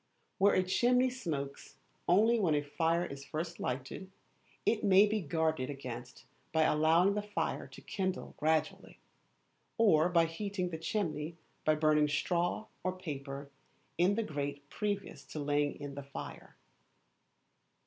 Where a chimney smokes only when a fire is first lighted, it may be guarded against by allowing the fire to kindle gradually, or by heating the chimney by burning straw or paper in the grate previous to laying in the fire.